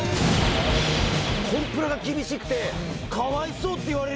コンプラが厳しくて。